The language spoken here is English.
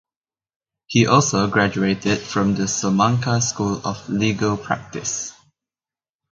He also graduated from the Salamanca School of legal practice.